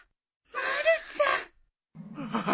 まるちゃん。ああ。